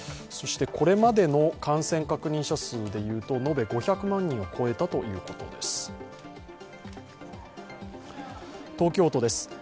そして、これまでの感染確認者数は延べ５００万人を超えたということです。